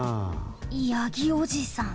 ヤギおじさん。